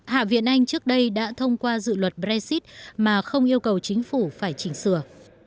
hạ viện anh trước đây đã thông qua dự luật brexit mà không yêu cầu chính phủ phải chỉnh sửa